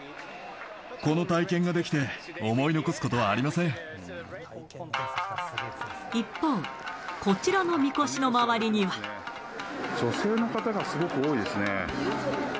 この体験ができて、思い残すこと一方、女性の方がすごく多いですね。